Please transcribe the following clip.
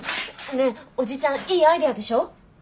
ねえおじちゃんいいアイデアでしょ？